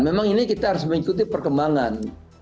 memang ini kita harus mengikuti perkembangan